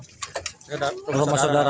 ke rumah saudara